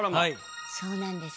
そうなんです。